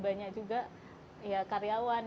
banyak juga ya karyawan